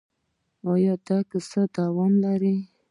دا کیسه لا دوام لري.